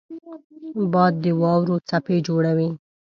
باد د واورو څپې جوړوي